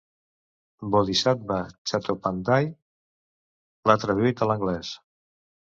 Bodhisattva Chattopadhyay l'ha traduït a l'anglès.